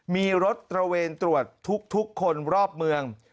มีรถตระเวนตรวจทุกคนรอบเมือง